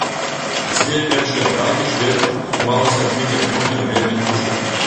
Дзве першыя атакі шведам атрымалася адбіць агнём карабельных пушак.